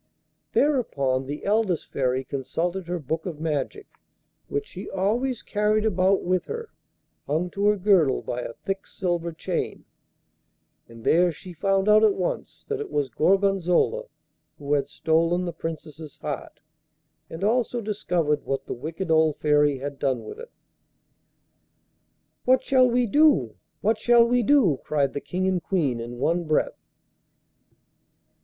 Thereupon the eldest Fairy consulted her Book of Magic, which she always carried about with her, hung to her girdle by a thick silver chain, and there she found out at once that it was Gorgonzola who had stolen the Princess's heart, and also discovered what the wicked old Fairy had done with it. 'What shall we do? What shall we do?' cried the King and Queen in one breath.